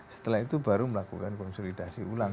setelah itu baru melakukan konsolidasi ulang